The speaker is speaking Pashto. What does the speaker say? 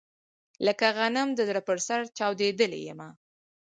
لکه غنم د زړه په سر چاودلی يمه